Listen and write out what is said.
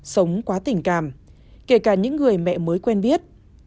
sống quá tình cảm kể cả những người mẹ mới quen biết